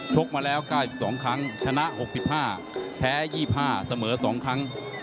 กมาแล้ว๙๒ครั้งชนะ๖๕แพ้๒๕เสมอ๒ครั้ง